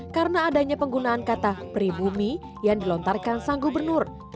karena adanya penggunaan kata pribumi yang dilontarkan sang gubernur